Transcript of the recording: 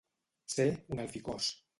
Ser un alficòs.